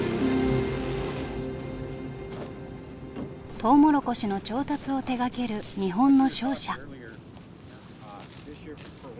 トウモロコシの調達を手がける日本の商社。